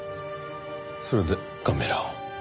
それでカメラを。